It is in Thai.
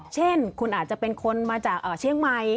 เช่นคุณอาจจะเป็นคนมาจากเชียงใหม่